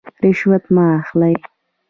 رشوت مه اخلئ